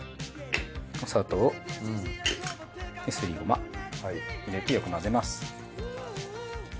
お砂糖ですりごま入れてよく混ぜます。